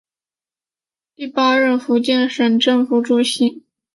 第八任福建省政府主席。